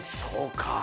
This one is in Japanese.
そうか。